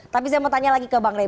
tapi saya mau tanya lagi ke bang rey